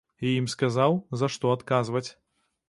І ім сказаў, за што адказваць.